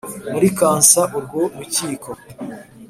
muri Kansas Urwo rukiko